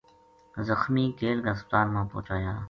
زخمی کیل کا ہسپتال ما پوہچایا